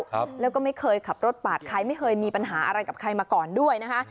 ครับแล้วก็ไม่เคยขับรถปาดใครไม่เคยมีปัญหาอะไรกับใครมาก่อนด้วยนะคะ